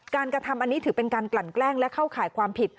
กระทำอันนี้ถือเป็นการกลั่นแกล้งและเข้าข่ายความผิด